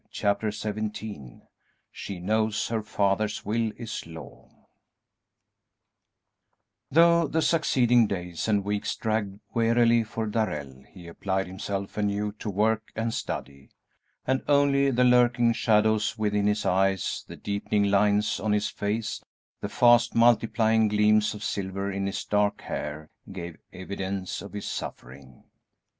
Chapter XVII "SHE KNOWS HER FATHER'S WILL IS LAW" Though the succeeding days and weeks dragged wearily for Darrell, he applied himself anew to work and study, and only the lurking shadows within his eyes, the deepening lines on his face, the fast multiplying gleams of silver in his dark hair, gave evidence of his suffering.